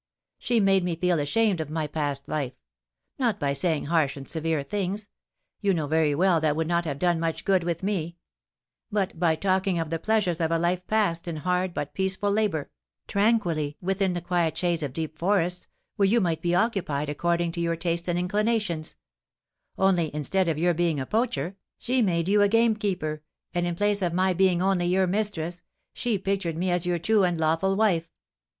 She made me feel ashamed of my past life; not by saying harsh and severe things, you know very well that would not have done much good with me, but by talking of the pleasures of a life passed in hard but peaceful labour, tranquilly within the quiet shades of deep forests, where you might be occupied according to your tastes and inclinations; only, instead of your being a poacher, she made you a gamekeeper, and in place of my being only your mistress, she pictured me as your true and lawful wife.